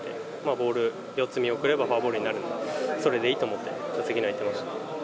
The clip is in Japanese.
ボール４つ見送ればフォアボールになる、それでいいと思って、しました。